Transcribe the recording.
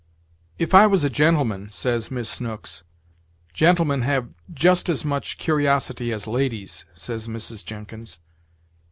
"If I was a gentleman," says Miss Snooks. "Gentlemen have just as much curiosity as ladies," says Mrs. Jenkins.